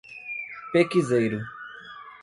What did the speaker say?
Pequizeiro